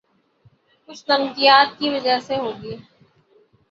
کچھ نمکیات کی وجہ سے ہوگی